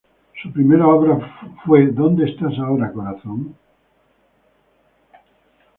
Su primera obra fue "¿Dónde estás ahora, corazón?".